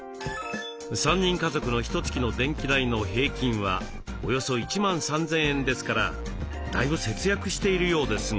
３人家族のひとつきの電気代の平均はおよそ１万３，０００円ですからだいぶ節約しているようですが。